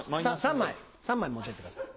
３枚３枚持ってってください。